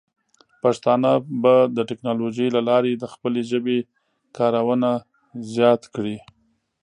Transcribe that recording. پښتانه به د ټیکنالوجۍ له لارې د خپلې ژبې کارونه زیات کړي.